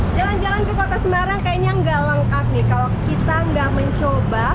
jalan jalan ke kota semarang kayaknya nggak lengkap nih kalau kita nggak mencoba